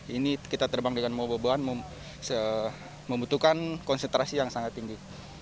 ini kita terbang dengan membawa bebobohan membutuhkan konsentrasi yang sangat tinggi